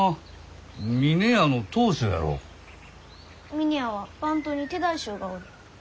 峰屋は番頭に手代衆がおる。